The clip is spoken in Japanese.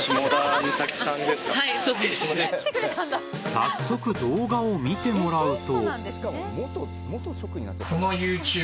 早速、動画を見てもらうと。